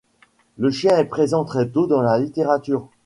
Le chien est présent très tôt dans la littérature.